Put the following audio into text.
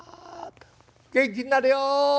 元気になれよ！